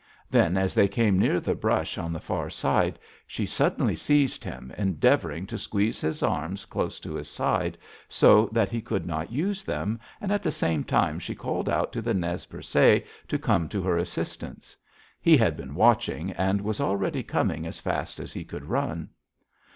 Then, as they came near the brush on the far side, she suddenly seized him, endeavoring to squeeze his arms close to his side, so that he could not use them, and at the same time she called out to the Nez Percé to come to her assistance. He had been watching, and was already coming as fast as he could run.